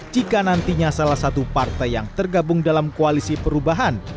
jika nantinya salah satu partai yang tergabung dalam koalisi perubahan